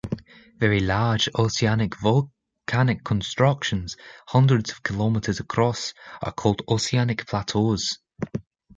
Very large oceanic volcanic constructions, hundreds of kilometers across, are called oceanic plateaus.